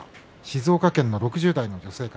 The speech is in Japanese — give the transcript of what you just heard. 静岡県６０代女性。